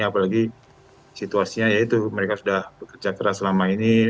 apalagi situasinya ya itu mereka sudah bekerja keras selama ini